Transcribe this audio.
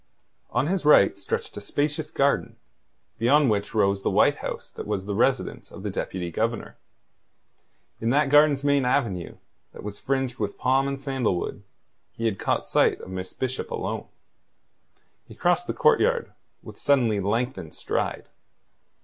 On his right stretched a spacious garden, beyond which rose the white house that was the residence of the Deputy Governor. In that garden's main avenue, that was fringed with palm and sandalwood, he had caught sight of Miss Bishop alone. He crossed the courtyard with suddenly lengthened stride.